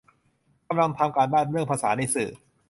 กำลังทำการบ้าน เรื่องภาษาในสื่อ